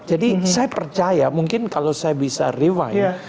jadi saya percaya mungkin kalau saya bisa rewind